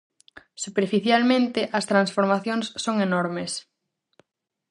Superficialmente, as transformacións son enormes.